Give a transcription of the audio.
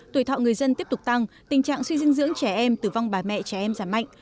tuổi thọ người dân tiếp tục tăng tình trạng suy dinh dưỡng trẻ em tử vong bà mẹ trẻ em giảm mạnh